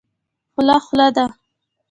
خوله خوله ده.